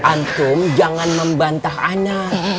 antum jangan membantah anak